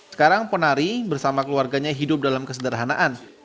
sekarang penari bersama keluarganya hidup dalam kesederhanaan